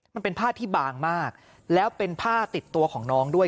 มันเป็นผ้าที่บางมากแล้วเป็นผ้าติดตัวของน้องด้วย